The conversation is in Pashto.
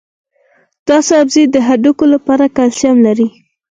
دا سبزی د هډوکو لپاره کلسیم لري.